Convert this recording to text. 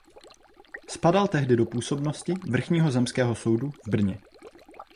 Spadal tehdy do působnosti Vrchního zemského soudu v Brně.